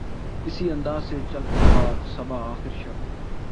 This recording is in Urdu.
اسی انداز سے چل باد صبا آخر شب